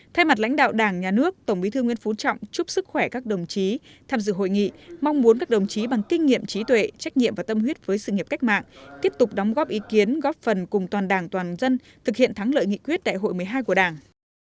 thay mặt lãnh đạo đảng nhà nước tổng bí thư nguyễn phú trọng chúc sức khỏe các đồng chí tham dự hội nghị mong muốn các đồng chí bằng kinh nghiệm trí tuệ trách nhiệm và tâm huyết với sự nghiệp cách mạng tiếp tục đóng góp ý kiến góp phần cùng toàn đảng toàn dân thực hiện thắng lợi nghị quyết đại hội một mươi hai của đảng